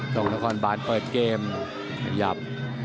กล้องนครบานเปิดเกมหยับ